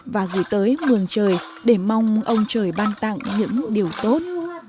và gửi tới mường trời để mong ông trời ban tặng những điều tốt